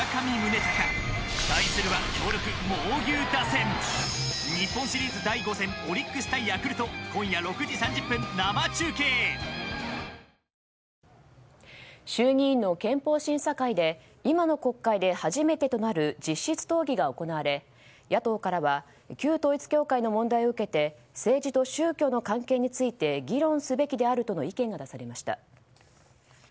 サントリー「ＶＡＲＯＮ」衆議院の憲法審査会で今の国会で初めてとなる実質討議が行われ野党からは旧統一教会の問題を受けて政治と宗教の関係について議論すべきであるとの意見が出されました。